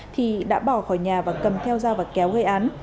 thì đã bỏ khỏi nhà và cầm theo dao và kéo gây án